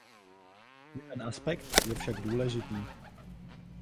Jeden aspekt je však důležitý.